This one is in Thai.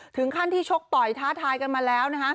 ถึงขั้นที่ชกต่อยท้าทายกันมาแล้ว